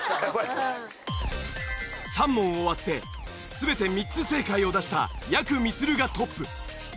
３問終わって全て３つ正解を出したやくみつるがトップ。